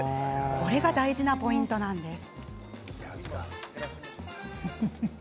これが大事なポイントなんです。